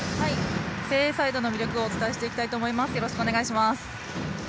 誠英サイドの魅力をお伝えしていきたいと思います。